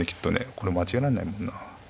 これ間違えらんないもんな。